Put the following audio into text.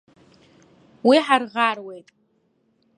Уи ҳарӷаруеит.